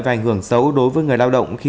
và ảnh hưởng xấu đối với người lao động khi